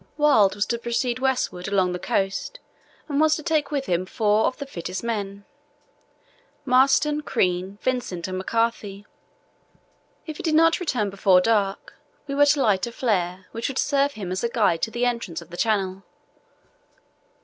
Wild was to proceed westwards along the coast and was to take with him four of the fittest men, Marston, Crean, Vincent, and McCarthy. If he did not return before dark we were to light a flare, which would serve him as a guide to the entrance of the channel.